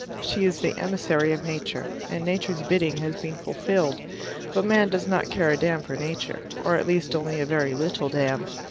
She is the emissary of Nature, and Nature's bidding has been fulfilled. But man does not care a damn for Nature or at least only a very little damn.